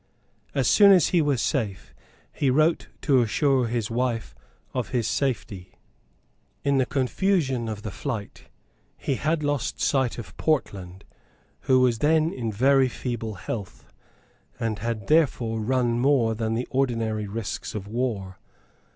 As soon as he was safe, he wrote to assure his wife of his safety. In the confusion of the flight he had lost sight of Portland, who was then in very feeble health, and had therefore run more than the ordinary risks of war.